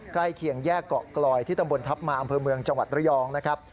เคียงแยกเกาะกลอยที่ตำบลทัพมาอำเภอเมืองจังหวัดระยองนะครับ